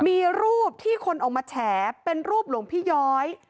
มีรูปที่คนออกมาแฉเป็นรูปหลวงพี่ย้อย